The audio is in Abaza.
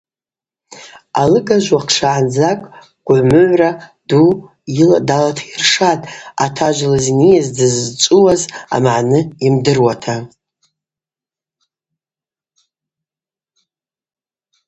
Алыгажв уахъшагӏандзакӏ гвыгӏвмыгӏвра ду далата йыршатӏ, атажв йлызнийыз, дыззчӏвыуаз амагӏны йымдыруата.